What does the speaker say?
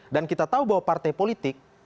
dan kita tahu bahwa partai politik